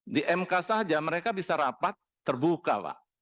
di mk saja mereka bisa rapat terbuka pak